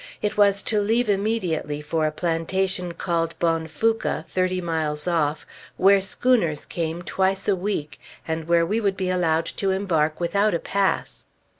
It was to leave immediately for a plantation called Bonfouca, thirty miles off, where schooners came twice a week, and where we would be allowed to embark without a pass.